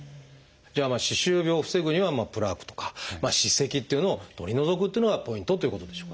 じゃあ歯周病を防ぐにはプラークとか歯石というのを取り除くっていうのがポイントということでしょうかね。